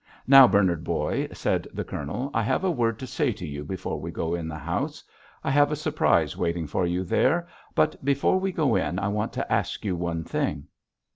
"Now, Bernard, boy," said the Colonel, "I have a word to say to you before we go in the house. I have a surprise waiting for you there, but before we go in I want to ask you one thing?"